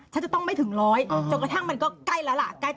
ฉันจะต้องไม่ถึงร้อยจนกระทั่งมันก็ใกล้แล้วล่ะ